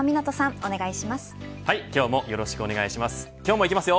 はい、今日もよろしくお願いします。